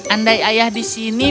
andai ayah di sini